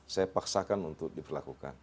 saya paksakan untuk diperlakukan